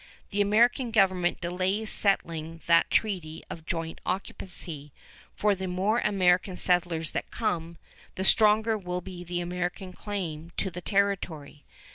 The American government delays settling that treaty of joint occupancy, for the more American settlers that come, the stronger will be the American claim to the territory.